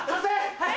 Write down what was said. はい！